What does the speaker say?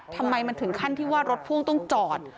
ทำไมมันถึงขั้นที่ว่ารถพ่วงต้องจอด